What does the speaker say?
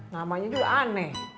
namanya juga aneh